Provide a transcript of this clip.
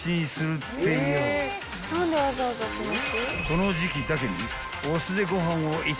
［この時季だけに］